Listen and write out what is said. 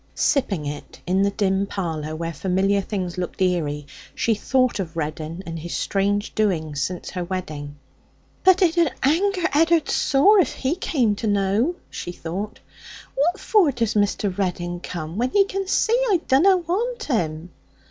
Sipping it in the dim parlour, where familiar things looked eerie, she thought of Reddin and his strange doings since her wedding. 'Eh, but it ud anger Ed'ard sore if he came to know,' she thought. 'What for does Mr. Reddin come, when he can see I dunna want him?'